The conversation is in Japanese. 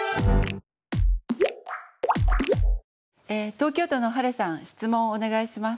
東京都のはれさん質問をお願いします。